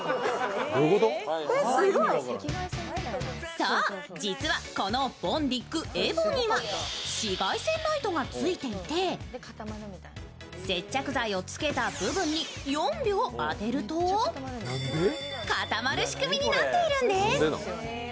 そう、実はこのＢＯＮＤＩＣＥＶＯには紫外線ライトが付いていて、接着剤をつけた部分に４秒当てると固まる仕組みになっているんです。